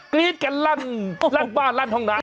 กรี๊ดกันลั่งลั่งบ้านลั่งห้องหน้า